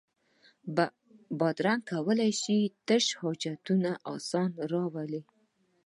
بادرنګ کولای شي د تشو حاجت اسانتیا راولي.